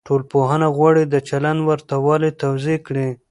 ټولنپوهنه غواړي د چلند ورته والی توضيح کړي.